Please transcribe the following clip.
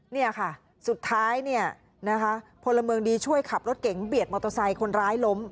เนี่ยค่ะสุดท้ายเนี่ยนะคะพลเมืองดีช่วยขับรถเก๋งเบียดมอเตอร์ไซค์คนร้ายล้ม